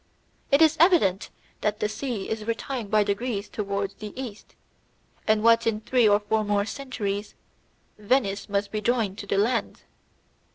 It is evident that the sea is retiring by degrees towards the east, and that in three or four more centuries Venice must be joined to the land.